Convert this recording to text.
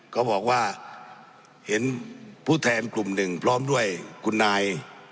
ก็บอกว่าเห็นผู้แทนกลุ่มหนึ่งพร้อมด้วยคุณนาย